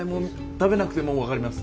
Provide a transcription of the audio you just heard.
食べなくてもわかります。